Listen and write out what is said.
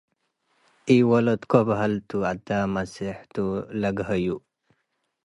ኢወለድኮ በሃል ቱ - አዳም መሴሕ ቱ ለገሀዩ